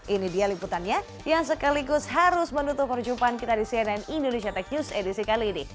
ini dia liputannya yang sekaligus harus menutup perjumpaan kita di cnn indonesia tech news edisi kali ini